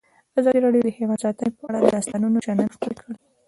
ازادي راډیو د حیوان ساتنه په اړه د استادانو شننې خپرې کړي.